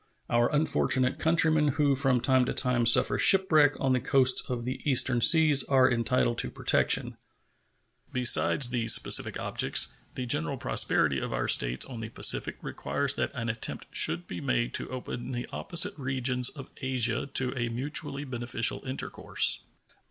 Our unfortunate countrymen who from time to time suffer shipwreck on the coasts of the eastern seas are entitled to protection. Besides these specific objects, the general prosperity of our States on the Pacific requires that an attempt should be made to open the opposite regions of Asia to a mutually beneficial intercourse.